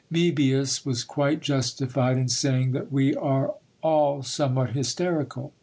Moebius was quite justified in saying that we are all somewhat hysterical.